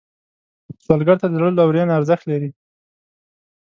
سوالګر ته د زړه لورینه ارزښت لري